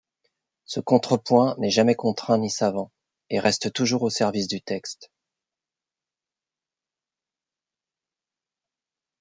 Ce contrepoint n’est jamais contraint ni savant, et reste toujours au service du texte.